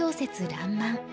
「らんまん」。